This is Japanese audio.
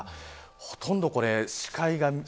ほとんど視界が。